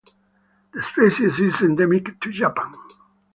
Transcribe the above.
The species is endemic to Japan.